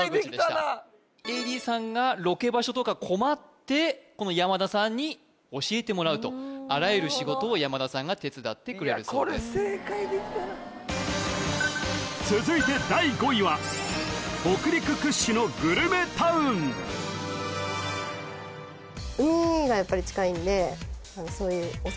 最悪ＡＤさんがロケ場所とか困ってこの山田さんに教えてもらうとあらゆる仕事を山田さんが手伝ってくれるそうですいやこれ正解できたな続いて第５位はかなと思います